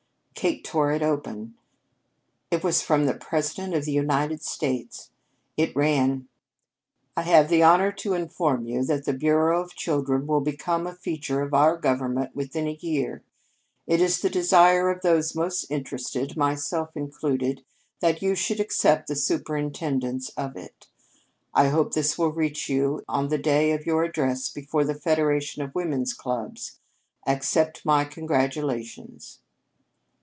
Kate tore it open. It was from the President of the United States. It ran: "I have the honor to inform you that the Bureau of Children will become a feature of our government within a year. It is the desire of those most interested, myself included, that you should accept the superintendence of it. I hope this will reach you on the day of your address before the Federation of Women's Clubs. Accept my congratulations."